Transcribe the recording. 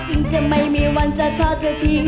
จริงจะไม่มีวันจาดทอดจะทิ้ง